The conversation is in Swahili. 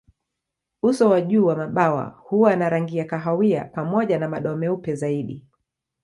Uso wa juu wa mabawa huwa na rangi kahawia pamoja na madoa meupe zaidi.